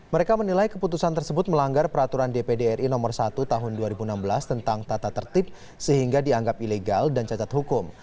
mereka menilai keputusan tersebut melanggar peraturan dpd ri no satu tahun dua ribu enam belas tentang tata tertib sehingga dianggap ilegal dan cacat hukum